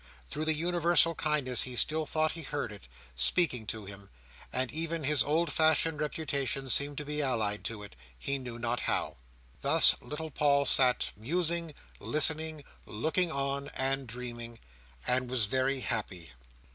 Through the universal kindness he still thought he heard it, speaking to him; and even his old fashioned reputation seemed to be allied to it, he knew not how. Thus little Paul sat musing, listening, looking on, and dreaming; and was very happy.